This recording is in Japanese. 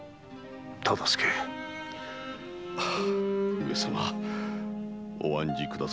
上様お案じくださいますな。